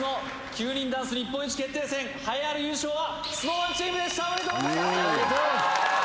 ９人ダンス日本一決定戦栄えある優勝はＳｎｏｗＭａｎチームでしたおめでとうございますしゃー！